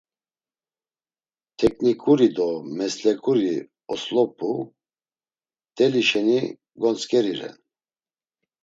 Teǩniǩuri do mesleǩuri oslop̌u, mteli şeni gontzǩeri ren.